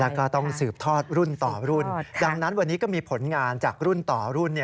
แล้วก็ต้องสืบทอดรุ่นต่อรุ่นดังนั้นวันนี้ก็มีผลงานจากรุ่นต่อรุ่น